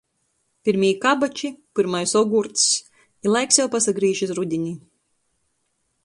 Pyrmī kabači, pyrmais ogūrcs, i laiks jau pasagrīž iz rudini.